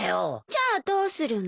じゃあどうするの？